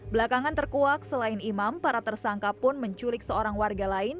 belakangan terkuak selain imam para tersangka pun menculik seorang warga lain